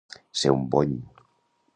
Ser un bony.